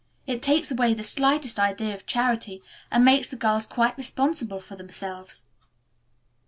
It takes away the slightest idea of charity and makes the girls quite responsible for themselves."